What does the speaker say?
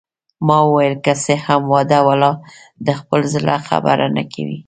ما وویل: که څه هم واده والا د خپل زړه خبره نه کوي.